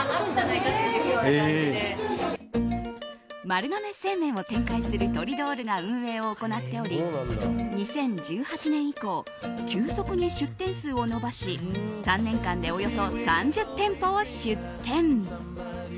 丸亀製麺を展開するトリドールが運営を行っており２０１８年以降急速に出店数を伸ばし３年間でおよそ３０店舗を出店。